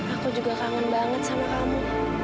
aku juga kangen banget sama kamu